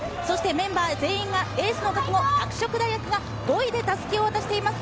メンバー全員がエースの覚悟、拓殖大学が５位で襷を渡しています。